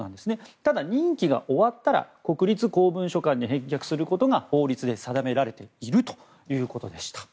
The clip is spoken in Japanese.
ただ、任期が終わったら国立公文書館に返却することが法律で定められているということでした。